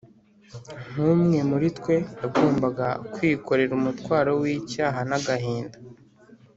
Nk’umwe muri twe, yagombaga kwikorera umutwaro w’icyaha n’agahinda